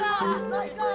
最高！